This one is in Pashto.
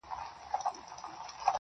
سوچه کاپیر وم چي راتلم تر میخانې پوري.